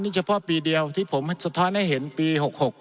นี่เฉพาะปีเดียวที่ผมสะท้อนให้เห็นปี๖๖